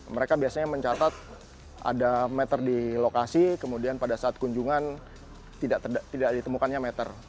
mereka biasanya mencatat ada meter di lokasi kemudian pada saat kunjungan tidak ditemukannya meter